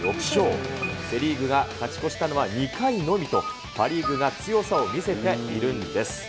セ・リーグが勝ち越したのは２回のみと、パ・リーグが強さを見せているんです。